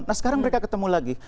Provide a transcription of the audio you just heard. nah sekarang mereka ketemu lagi